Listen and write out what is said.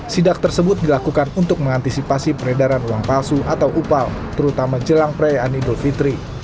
sidak tersebut dilakukan untuk mengantisipasi peredaran uang palsu atau upal terutama jelang perayaan idul fitri